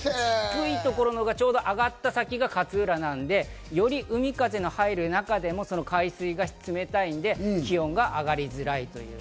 低いところが上がった先が勝浦なので、より海風が入る中でも海水が冷たいんで気温が上がりづらいという。